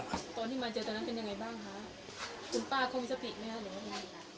ตอนที่มาเจอตอนนั้นเป็นยังไงบ้างคะคุณป้าเขามีสปีกไหมหรือ